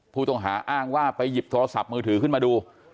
ผู้ต้องหาอ้างว่าไปหยิบโทรศัพท์มือถือขึ้นมาดู